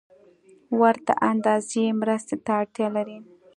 ورته اندازې مرستې ته اړتیا لري